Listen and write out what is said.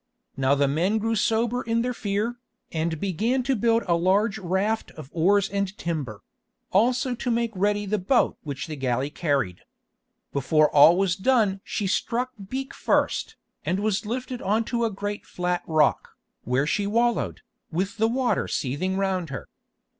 Now the men grew sober in their fear, and began to build a large raft of oars and timber; also to make ready the boat which the galley carried. Before all was done she struck beak first, and was lifted on to a great flat rock, where she wallowed, with the water seething round her.